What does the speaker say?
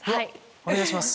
お願いします。